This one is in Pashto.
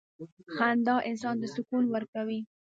• خندا انسان ته سکون ورکوي.